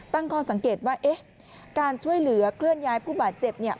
ตั้งข้อสังเกตว่าเอ๊ะการช่วยเหลือเคลื่อนย้ายผู้บาดเจ็บเนี่ย